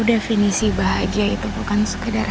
definisi bahagia itu bukan sekedar